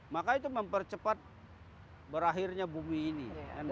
maka itu mempercepat berakhirnya bumi ini